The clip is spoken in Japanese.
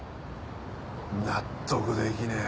納得できねえ。